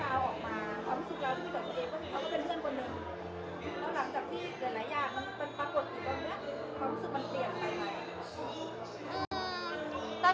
เขารู้สึกว่ามันเปลี่ยนไปไหม